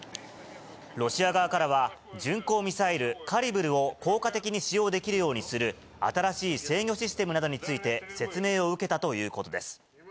ロシア側からは、巡航ミサイル、カリブルを効果的に使用できるようにする新しい制御システムなどについて説明を受けたということです。